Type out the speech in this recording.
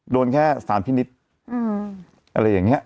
โดนแค่สารพินิษฐ์อะไรอย่างนี้